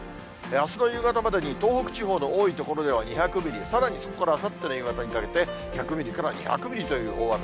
あすの夕方までに、東北地方の多い所では２００ミリ、さらにそこからあさっての夕方にかけて、１００ミリから２００ミリという大雨。